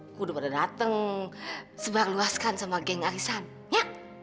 aku udah pada dateng sebar luaskan sama geng arisan ya